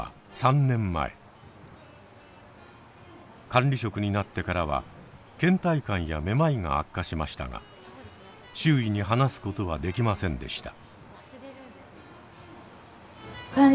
管理職になってからはけん怠感やめまいが悪化しましたが周囲に話すことはできませんでした。